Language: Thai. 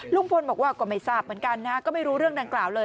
ลุงพลบอกว่าก็ไม่ทราบเหมือนกันนะฮะก็ไม่รู้เรื่องดังกล่าวเลย